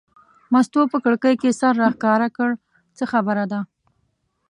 مستو په کړکۍ کې سر راښکاره کړ: څه خبره ده.